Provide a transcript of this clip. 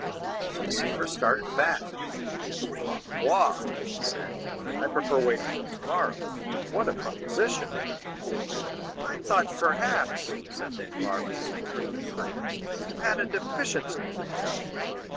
The receiver started back. "Ma foi!" he said, "I prefer waiting till tomorrow. What a proposition!" "I thought, perhaps," said Danglars with supreme impertinence, "that you had a deficiency to make up?"